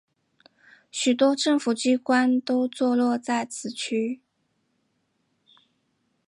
许多政府机关都座落在此区。